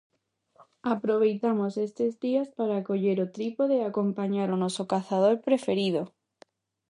Aproveitamos estes días para coller o trípode e acompañar o noso "cazador" preferido.